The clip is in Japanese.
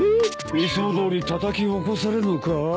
いつもどおりたたき起こされるのかい？